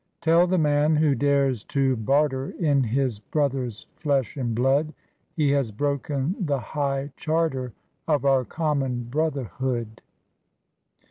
Tell the man who dares to barter In his brother's flesh and blood, He has broken the high charter Of our common brotherhood